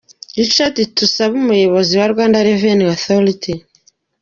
Richard Tusabe Umuyobozi wa Rwanda Revenue Authority.